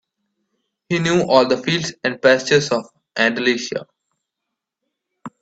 He knew all the fields and pastures of Andalusia.